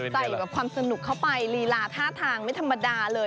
ใส่แบบความสนุกเข้าไปลีลาท่าทางไม่ธรรมดาเลย